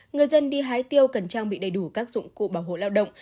người dân đi hái tiêu cần trang bị đầy đủ các dụng cụ bảo hộ lao động